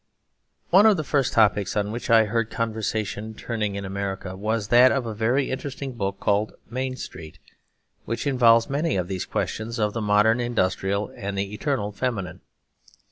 One of the first topics on which I heard conversation turning in America was that of a very interesting book called Main Street, which involves many of these questions of the modern industrial and the eternal feminine.